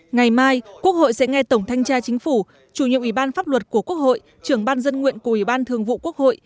ngày mai quốc hội sẽ nghe tổng thanh tra chính phủ chủ nhiệm ủy ban pháp luật của quốc hội trưởng ban dân nguyện của ủy ban thường vụ quốc hội